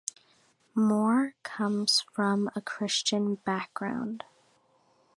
Moore comes from a Christian background.